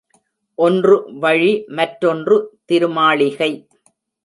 ஒன்று வழி மற்றொன்று திருமாளிகை.